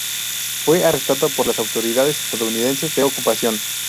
Fue arrestado por las autoridades estadounidenses de ocupación.